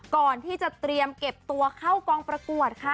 ก่อนที่จะเตรียมเก็บตัวเข้ากองประกวดค่ะ